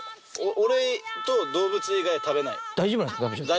俺と動物以外は食べない。